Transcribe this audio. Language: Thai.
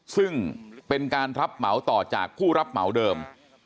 ซึ่งเป็นการรับเหมาต่อจากผู้รับเหมาเดิม